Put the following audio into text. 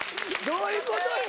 どういうことよ。